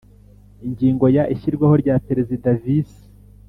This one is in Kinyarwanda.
Ingingo ya Ishyirwaho rya Perezida Visi